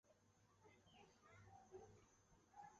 镰叶肾蕨为骨碎补科肾蕨属下的一个种。